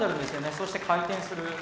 そして回転する。